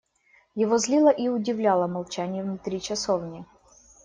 Его злило и удивляло молчание внутри часовни.